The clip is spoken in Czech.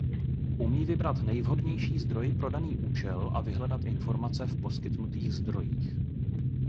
Umí vybrat nejvhodnější zdroj pro daný účel a vyhledat informace v poskytnutých zdrojích.